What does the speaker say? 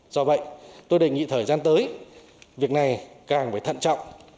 do vậy tôi đề nghị thời gian tới việc này càng phải thận trọng